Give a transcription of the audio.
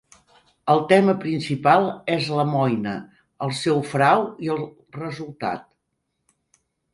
El tema principal és Lemoine, el seu frau i el resultat.